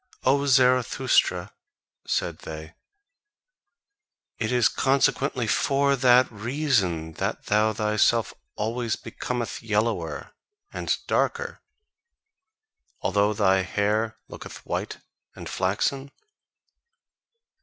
"O Zarathustra," said they, "it is consequently FOR THAT REASON that thou thyself always becometh yellower and darker, although thy hair looketh white and flaxen?